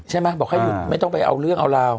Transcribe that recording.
ใช่ไหมบอกให้หยุดไม่ต้องไปเอาเรื่องเอาราว